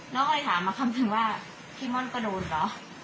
แล้วก็เลยถามมาคำนึงว่าพี่ม่อนก็โดนเหรอ